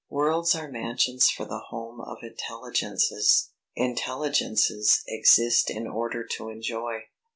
Worlds are mansions for the home of intelligences. Intelligences exist in order to enjoy.